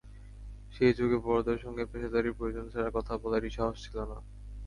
সেই যুগে বড়দের সঙ্গে পেশাদারি প্রয়োজন ছাড়া কথা বলারই সাহস ছিল না।